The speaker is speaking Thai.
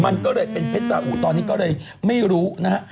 มันก็เลยเป็นเพชรสาอุตอนนี้ก็เลยไม่รู้นะฮะ